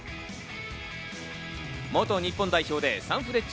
元日本代表でサンフレッチェ